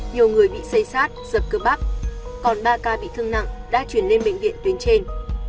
nhiều người bị xây xát dập cơ bắp còn ba ca bị thương nặng đã chuyển lên bệnh viện tuyến trên